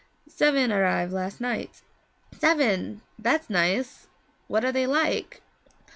Seven arrive last night.' 'Seven! That's nice. What are they like?'